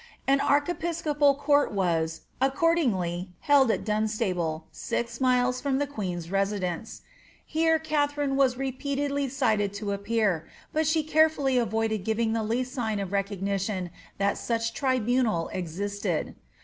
An archiepiscopal court was, accordingly, held at Dun Mible, six miles from the queen's residence. Here Katharine was Rpeatedly cited to appear, but she carefully avoided giving the least sign of recognition, that such tribunal existed.